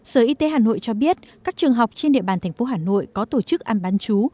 sở y tế hà nội cho biết các trường học trên địa bàn thành phố hà nội có tổ chức ăn bán chú